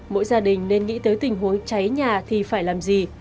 mỗi gia đình nên nghĩ tới tình huống cháy nhà thì phải làm gì